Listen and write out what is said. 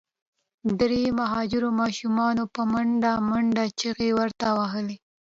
درې مهاجرو ماشومانو په منډه منډه چیغي ورته وهلې.